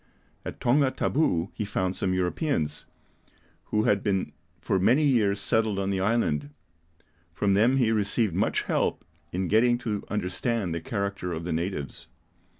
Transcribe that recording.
At Tonga Tabou he found some Europeans, who had been for many years settled on the island; from them he received much help in getting to understand the character of the natives.